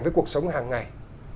với cuộc sống hàng ngày